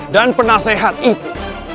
dan penasehat itu